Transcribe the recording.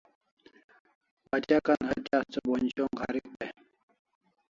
Batyakan hatya asta bonj shong harik day